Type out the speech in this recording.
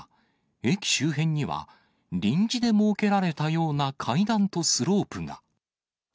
駅周辺には臨時で設けられたような階段とスロープが。